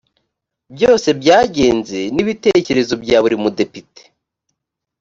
byose byagenze n ibitekerezo bya buri mudepite